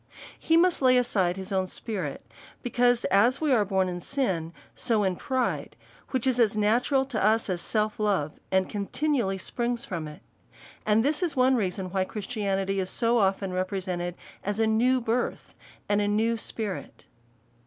He must lay aside his own spirit, because, as we are born in sin, so in pride, which is as natural to us as self love, and continually springs from it. And this is one reason why Christianity is so often represented as a new birth, and a new spirit.